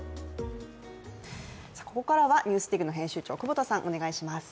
ここからは「ＮＥＷＳＤＩＧ」の編集長久保田さん、お願いします。